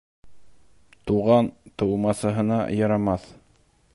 Туған тыумасаһына ярамаҫ.